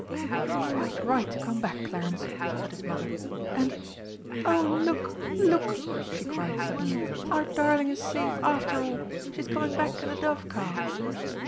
"You were quite right to come back, Clarence," said his Mother, "And oh, look, look!" she cried suddenly, "our darling is safe after all! She's coming back in the dove car!"